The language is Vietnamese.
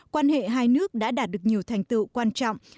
quan hệ hai nước đã đạt được nhiều thành tựu quan trọng